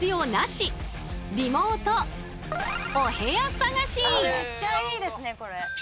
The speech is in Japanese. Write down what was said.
更にねめっちゃいいですねこれ。